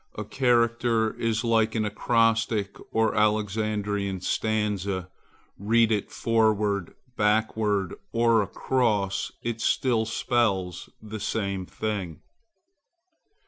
A character is like an acrostic or Alexandrian stanza;—read it forward, backward, or across, it still spells the same thing.